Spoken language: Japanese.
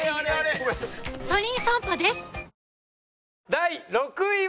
第６位は。